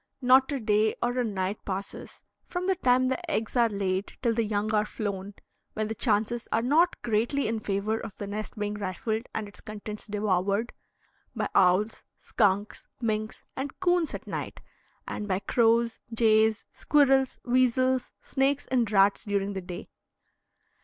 Not a day or a night passes, from the time the eggs are laid till the young are flown, when the chances are not greatly in favor of the nest being rifled and its contents devoured, by owls, skunks, minks, and coons at night, and by crows, jays, squirrels, weasels, snakes, and rats during the day.